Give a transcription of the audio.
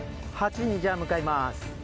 ８にじゃあ向かいます。